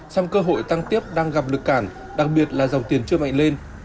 song cơ hội tăng tiếp đang gặp lực cản đặc biệt là dòng tiền chưa mạnh lên